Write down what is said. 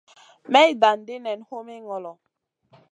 May dan ɗi nen humi ŋolo.